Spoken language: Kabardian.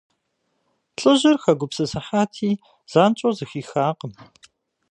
ЛӀыжьыр хэгупсысыхьати, занщӀэу зэхихакъым.